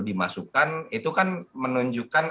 dimasukkan itu kan menunjukkan